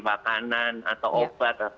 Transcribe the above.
makanan atau obat